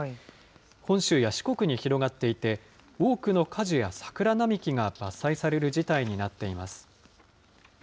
本州や四国に広がっていて、多くの果樹や桜並木が伐採される事態になっています。